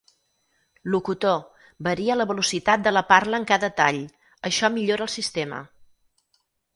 Locutor, varia la velocitat de la parla en cada tall, això millora el sistema.